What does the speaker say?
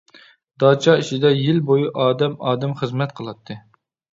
داچا ئىچىدە يىل بويى ئادەم ئادەم خىزمەت قىلاتتى.